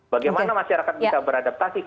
bagaimana masyarakat bisa beradaptasi